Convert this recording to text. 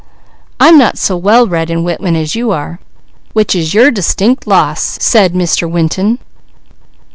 "I'm not so well read in Whitman as you are." "Which is your distinct loss," said Mr. Winton.